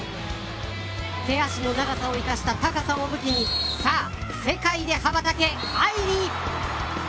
手足の長さを生かした高さを武器にさあ、世界で羽ばたけ、藍梨。